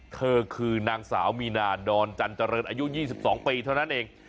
เธอคือนางสาวมีนาดอนจันเจริญอายุ๒๒ปีเท่านั้นเอง